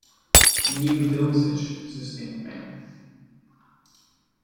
New-Dosage-System ein.